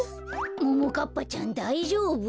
ももかっぱちゃんだいじょうぶ？